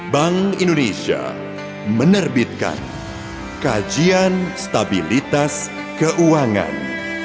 bank indonesia menerbitkan kajian stabilitas keuangan